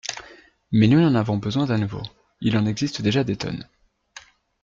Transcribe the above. Mais nous n’en avons besoin d’un nouveau : il en existe déjà des tonnes.